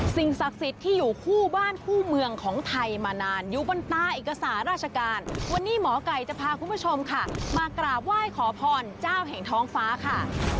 สิ่งศักดิ์สิทธิ์ที่อยู่คู่บ้านคู่เมืองของไทยมานานอยู่บนตาเอกสารราชการวันนี้หมอไก่จะพาคุณผู้ชมค่ะมากราบไหว้ขอพรเจ้าแห่งท้องฟ้าค่ะ